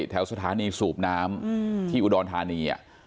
แถวสถานีสูบน้ำที่อุดรธานี